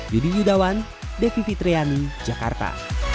yudi yudawan devi fitriani jakarta